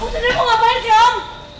om sederhana mau ngapain sih om